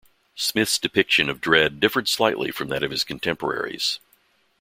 Smith's depiction of Dredd differed slightly from that of his contemporaries.